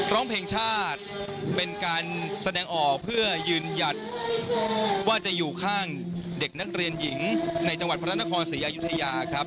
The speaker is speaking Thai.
ร้องเพลงชาติเป็นการแสดงออกเพื่อยืนหยัดว่าจะอยู่ข้างเด็กนักเรียนหญิงในจังหวัดพระนครศรีอยุธยาครับ